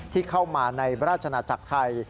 ที่เข้ามาในราชนาจักรไทย